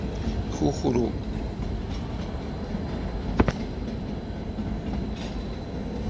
Kukru.